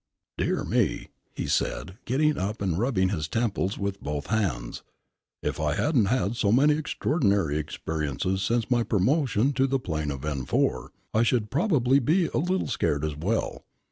"Dear me!" he said, getting up and rubbing his temples with both hands. "If I hadn't had so many extraordinary experiences since my promotion to the plane of N4, I should probably be a little scared as well.